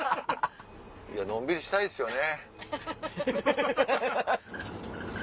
いやのんびりしたいですよね。